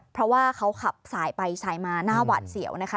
เพราะว่าเขาขับสายไปสายมาหน้าหวาดเสียวนะคะ